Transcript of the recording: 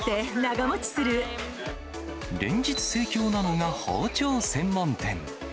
連日盛況なのが包丁専門店。